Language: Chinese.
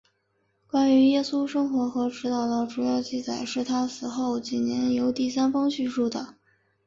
关于耶稣的生活和教导的主要记载是他死后几年由第三方叙述的。